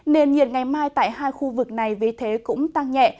nền nhiệt ngày mai tại hai khu vực này vì thế cũng tăng nhẹ